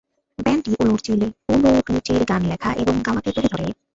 ব্যান্ডটি উলরিচের গান লেখা এবং গাওয়াকে তুলে ধরে।